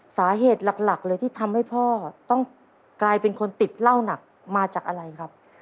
สาเหตุหลักเลยที่ทำให้พ่อต้องกลายเป็นคนติดเหล้าหนักมาจากอะไรครับ